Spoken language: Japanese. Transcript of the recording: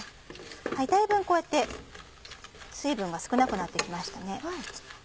だいぶこうやって水分が少なくなって来ましたね。